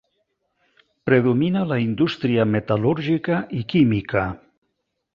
Predomina la indústria metal·lúrgica i química.